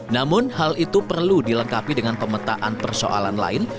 namun hal itu perlu dilengkapi dengan pemetaan persoalan lain